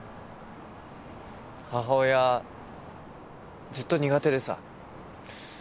母親ずっと苦手でさ。